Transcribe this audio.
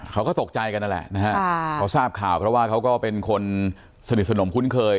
เขาก็ตกใจกันนั่นแหละนะฮะเขาทราบข่าวเพราะว่าเขาก็เป็นคนสนิทสนมคุ้นเคย